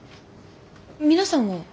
皆さんは？